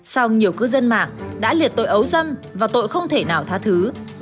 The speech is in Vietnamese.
sau nhiều cư dân mạng đã liệt tội ấu dâm và tội không thể nào tha thứ